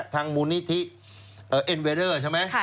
ทางมูลนิธิเอ็นเวเดอร์